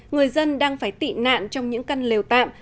người dân đang phải tị nạn trong những căn lều tạm